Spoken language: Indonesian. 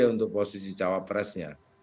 untuk posisi cawapresnya